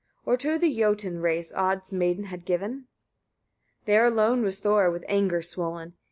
or to the Jötun race Od's maid had given? 30. There alone was Thor with anger swollen.